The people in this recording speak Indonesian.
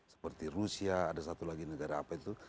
seperti rusia ada satu lagi negara apa itu